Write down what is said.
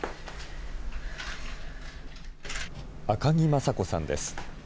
赤木雅子さんです。